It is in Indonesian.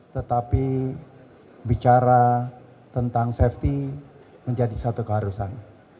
tetapi bicara tentang safety menjadi satu keharusan